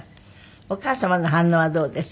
お母様の反応はどうです？